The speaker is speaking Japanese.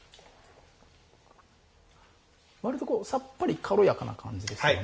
割とさっぱり軽やかな感じですよね。